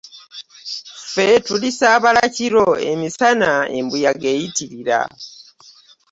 Ffe tulisaabala kiro, emisana embuyaga eyitirira.